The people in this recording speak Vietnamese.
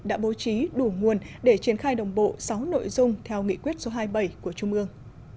đã bố trí đủ nguồn để triển khai đồng bộ sáu nội dung theo nghị quyết số hai mươi bảy của trung ương